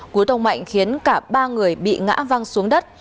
cú tông mạnh khiến cả ba người bị ngã văng xuống đất